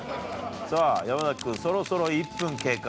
さぁ山君そろそろ１分経過。